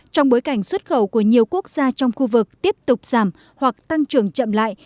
trong bối cảnh xuất khẩu của nhiều quốc gia trong khu vực tiếp tục giảm hoặc tăng trưởng chậm lại